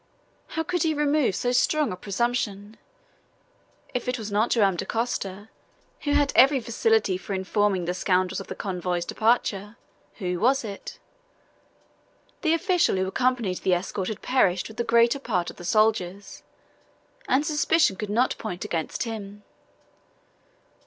How could he remove so strong a presumption? If it was not Joam Dacosta, who had every facility for informing the scoundrels of the convoy's departure, who was it? The official who accompanied the escort had perished with the greater part of the soldiers, and suspicion could not point against him.